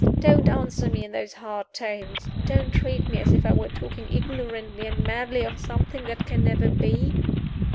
Don't answer me in those hard tones! Don't treat me as if I were talking ignorantly and madly of something that can never be!"